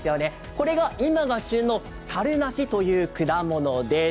これが今が旬のさるなしという果物です。